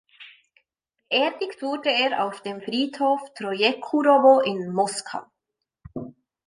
Beerdigt wurde er auf dem Friedhof Trojekurowo in Moskau.